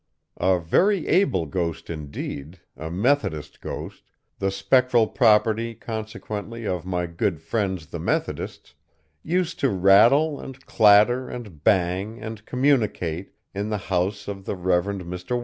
A very able ghost indeed, a Methodist ghost the spectral property, consequently, of my good friends the Methodists used to rattle, and clatter, and bang, and communicate, in the house of the Rev. Mr.